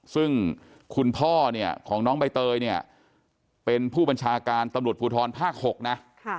ซึ่งคุณพ่อเนี่ยของน้องใบเตยเนี่ยเป็นผู้บัญชาการตำรวจภูทรภาค๖นะ